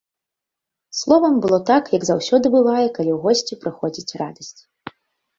Словам, было так, як заўсёды бывае, калі ў госці прыходзіць радасць.